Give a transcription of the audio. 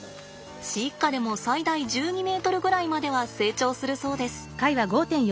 飼育下でも最大１２ｍぐらいまでは成長するそうです。